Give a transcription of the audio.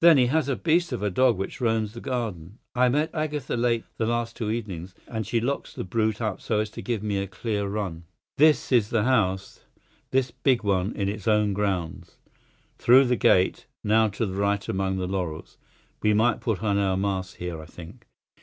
Then he has a beast of a dog which roams the garden. I met Agatha late the last two evenings, and she locks the brute up so as to give me a clear run. This is the house, this big one in its own grounds. Through the gate—now to the right among the laurels. We might put on our masks here, I think.